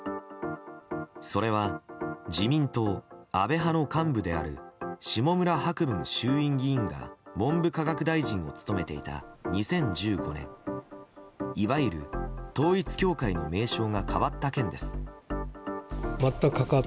それは自民党・安部派の幹部である下村博文議員が文部科学大臣を務めていた２０１５年いわゆる統一教会の名称が変わった件です。